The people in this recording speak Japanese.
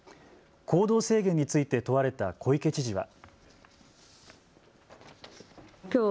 行動制限について問われた小池知事は。